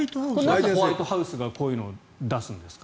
なんでホワイトハウスがこういうのを出すんですか？